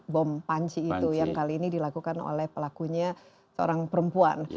bom panci itu yang kali ini dilakukan oleh pelakunya seorang perempuan